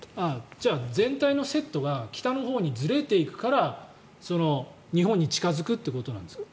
じゃあ、全体のセットが北のほうにずれていくから日本に近付くってことですか？